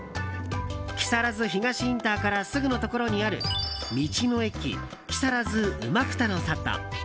木更津東インターからすぐのところにある道の駅木更津うまくたの里。